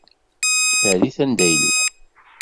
Err-it anda yella.